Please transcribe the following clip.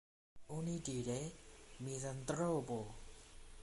Onidire, mizantropo.